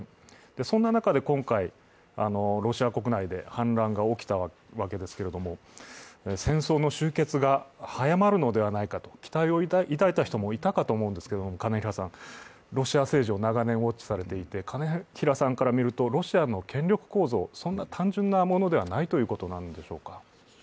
そんな中で今回、ロシア国内で反乱が起きたわけですけれども、戦争の終結が早まるのではないかと期待を抱いた人もいたと思うんですけれども、ロシア政治を長年ウオッチされていて、金平さんから見てロシアの権力構造、そんな単純なものではないということなんでしょうか。